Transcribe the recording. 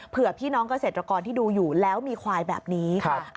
เพื่อพี่น้องเกษตรกรที่ดูอยู่แล้วมีควายแบบนี้